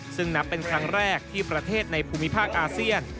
ซึ่งนับเป็นครั้งแรกที่ประเทศในภูมิภาคอาเซียน